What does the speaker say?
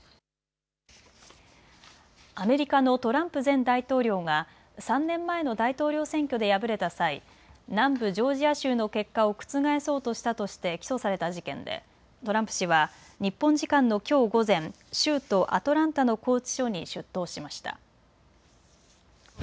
アメリカのトランプ前大統領が３年前の大統領選挙で敗れた際、南部ジョージア州の結果を覆そうとしたとして起訴された事件でトランプ氏は日本時間のきょう午前、州都アトランタの拘置所に出頭しました。